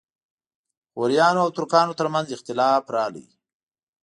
غوریانو او ترکانو ترمنځ اختلاف راغی.